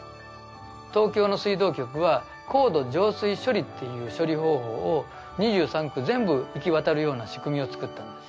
東京の水道局は高度浄水処理という処理方法を２３区全部行き渡るような仕組みを作ったんです。